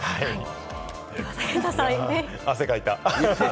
汗かいた。